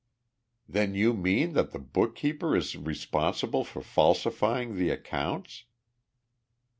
"Then you mean that the bookkeeper is responsible for falsifying the accounts?"